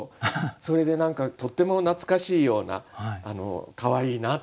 それでとっても懐かしいようなかわいいなと思って。